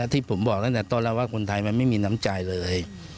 ที่ผมบอกตั้งแต่ต้นแล้วว่าคนไทยมันไม่มีน้ำใจเลย